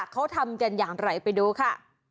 เขาทำกันอย่างไรไปดูค่ะ